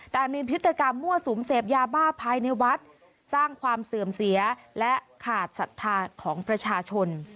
แต่มีพฤติกรรมมั่วสุมเสพยาบ้าภายในวัดสร้างความเสื่อมเสียและขาดศรัทธาของประชาชน